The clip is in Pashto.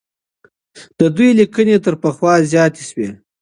د دوی ليکنې تر پخوا زياتې سوې.